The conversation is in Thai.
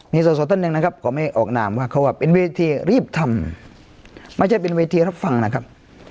มีสอสอท่านหนึ่งนะครับเขาไม่ออกนามว่าเขาว่าเป็นเวทีรีบทำไม่ใช่เป็นเวทีรับฟังนะครับ